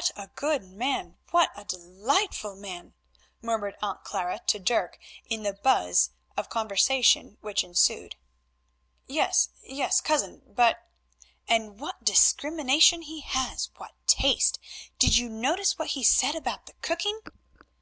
"What a good man! What a delightful man!" murmured Aunt Clara to Dirk in the buzz of conversation which ensued. "Yes, yes, cousin, but——" "And what discrimination he has, what taste! Did you notice what he said about the cooking?"